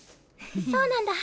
そうなんだ。